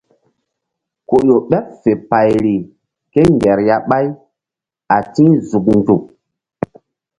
Ku ƴo ɓeɓ fe payri kéŋger ya ɓáy a ti̧h nzuk nzuk.